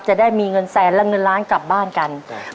จะได้มีเงินแสนและเงินล้านกลับบ้านกัน